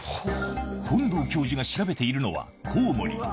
本道教授が調べているのはコウモリ。